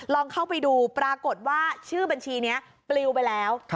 ลองเข้าไปดูปรากฏว่าชื่อบัญชีนี้ปลิวไปแล้ว